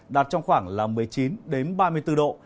đạt trong khoảng là một mươi chín ba mươi bốn độ